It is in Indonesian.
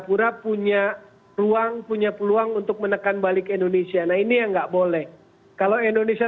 plus pergantian pemain yang bisa lebih